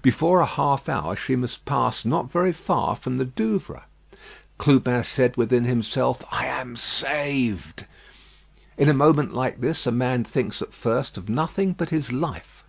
Before a half hour she must pass not very far from the Douvres. Clubin said within himself, "I am saved!" In a moment like this, a man thinks at first of nothing but his life.